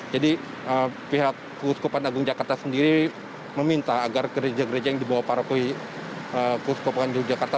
jadi pihak kuskupan agung jakarta sendiri meminta agar gereja gereja yang dibawa paroki kuskupan agung jakarta